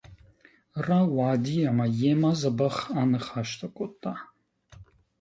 Рауади ӕмӕ йемӕ дзӕбӕх аныхӕстӕ кодта.